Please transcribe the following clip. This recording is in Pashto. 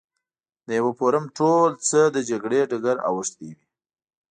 د یوه فورم ټول څه د جګړې ډګر اوښتی وي.